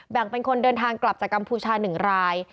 แบ่งเป็นคนเดินทางกลับจากกัมพูชา๑ราย